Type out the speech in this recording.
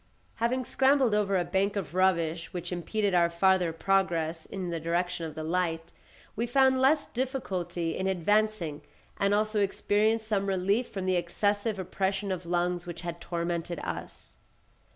Having scrambled over a bank of rubbish which impeded our farther progress in the direction of the light, we found less difficulty in advancing and also experienced some relief from the excessive oppression of lungs which had tormented us.